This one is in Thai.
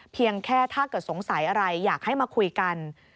เพียงแค่ถ้าเกิดสงสัยอะไรอยากให้มาคุยกัน